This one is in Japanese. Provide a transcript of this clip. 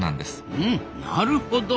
うんなるほど。